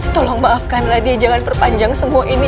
tolong maafkan radia jangan terpanjang semua ini